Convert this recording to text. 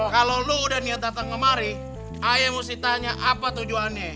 kalau lo udah niat datang kemari ayah mesti tanya apa tujuannya